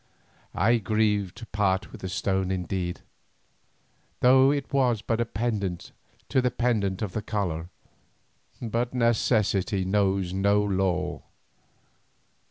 I grieved to part with the stone indeed, though it was but a pendant to the pendant of the collar, but necessity knows no law.